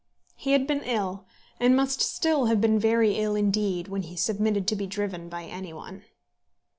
He had been ill, and must still have been very ill indeed when he submitted to be driven by any one.